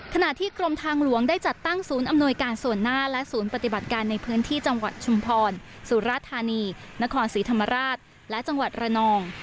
ขณะที่กรมทางหลวงได้จัดตั้งศูนย์อำนวยการส่วนหน้าและศูนย์ปฏิบัติการในพื้นที่จังหวัดชุมพรสุรธานีนครศรีธรรมราชและจังหวัดระนอง